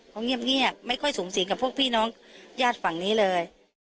เขาเงียบไม่ค่อยสูงสิงกับพวกพี่น้องญาติฝั่งนี้เลย